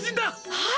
はい！